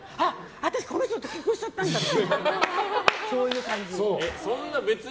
私、この人と結婚しちゃったんだってそういう感じ。